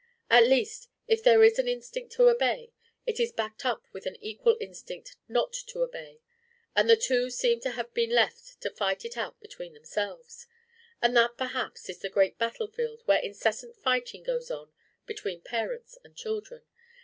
At least, if there is an instinct to obey, it is backed up with an equal instinct not to obey; and the two seem to have been left to fight it out between themselves; and that perhaps is the great battle field where incessant fighting goes on between parents and children.